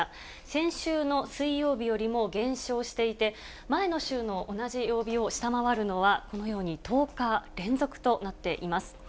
先週の水曜日よりも減少していて、前の週の同じ曜日を下回るのはこのように１０日連続となっています。